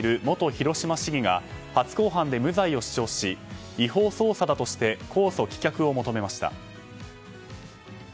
広島市議が初公判で無罪を主張し違法捜査だとして公訴棄却を求めました。